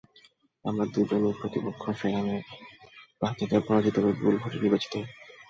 আমরা দুজনই প্রতিপক্ষ ফেরামের প্রার্থীদের পরাজিত করে বিপুল ভোটে নির্বাচিত হই।